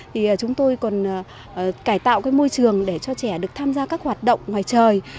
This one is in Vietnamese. thì chúng tôi còn cải tạo cái môi trường để cho trẻ được tham gia các hoạt động ngoài trời